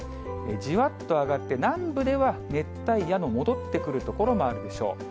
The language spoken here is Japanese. じわっと上がって、南部では熱帯夜の戻ってくる所もあるでしょう。